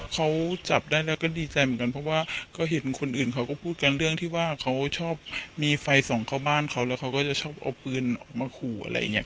เขาจับได้แล้วก็ดีใจเหมือนกันเพราะว่าก็เห็นคนอื่นเขาก็พูดกันเรื่องที่ว่าเขาชอบมีไฟส่องเข้าบ้านเขาแล้วเขาก็จะชอบเอาปืนออกมาขู่อะไรอย่างเงี้